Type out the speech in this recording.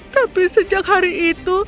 tapi sejak hari itu